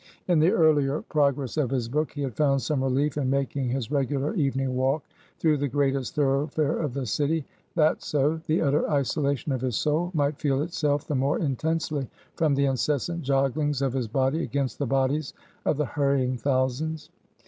In the earlier progress of his book, he had found some relief in making his regular evening walk through the greatest thoroughfare of the city; that so, the utter isolation of his soul, might feel itself the more intensely from the incessant jogglings of his body against the bodies of the hurrying thousands.